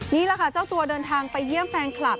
นี่แหละค่ะเจ้าตัวเดินทางไปเยี่ยมแฟนคลับ